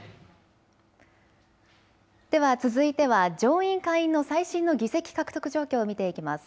では続いては上院下院の最新の議席獲得状況を見ていきます。